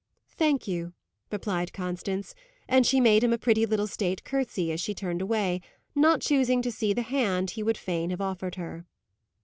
"Thank you," replied Constance. And she made him a pretty little state curtsey as she turned away, not choosing to see the hand he would fain have offered her.